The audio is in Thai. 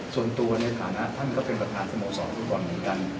ส่วนตัวเนี่ยค่ะนะท่านก็เป็นประธานสมสอบทุกคนเหมือนกัน